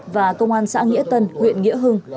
và công an xã nghĩa tân huyện nghĩa hưng